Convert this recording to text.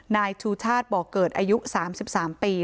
นายชูชาติบ่อเกิดอายุ๓๓ปี